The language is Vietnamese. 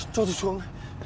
cho tôi xuống